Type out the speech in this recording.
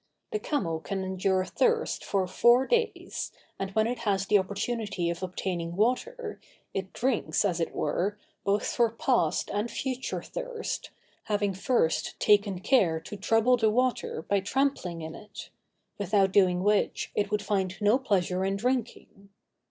The camel can endure thirst for four days, and when it has the opportunity of obtaining water, it drinks, as it were, both for past and future thirst, having first taken care to trouble the water by trampling in it; without doing which, it would find no pleasure in drinking.